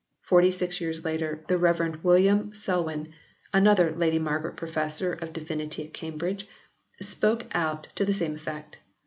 Forty six years later the Rev. Wm. Selwyn, another Lady Margaret Professor of Divinity at Cambridge, spoke out to the same effect.